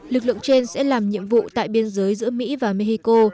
lực lượng trên sẽ làm nhiệm vụ tại biên giới giữa mỹ và mexico